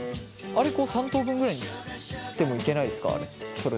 あれ３等分ぐらいに切ってもいけないですかあれ。